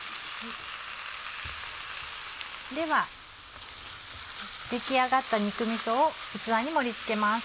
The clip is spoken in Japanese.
では出来上がった肉みそを器に盛り付けます。